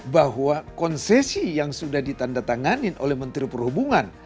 bahwa konsesi yang sudah ditanda tanganin oleh menteri perhubungan